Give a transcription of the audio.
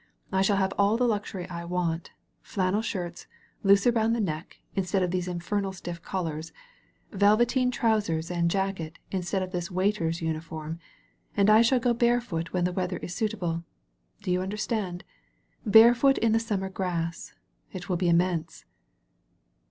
"Ishallhaveall the luxury I want: flannel shirts, loose around the neck, instead of these in fernal stiff collars; velveteen trousers and jacket instead of this waiter's uniform; and I shall go bare foot when the weather is suitable — do you under stand? Barefoot in the summer grass — ^it will be immense."